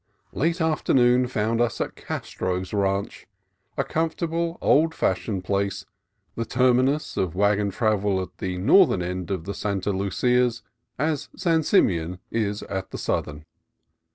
Late afternoon found us at Castro's Ranch, a comfortable, old fashioned place, the terminus of wagon travel at the northern end of the Santa Lucias, as San Simeon is at the southern.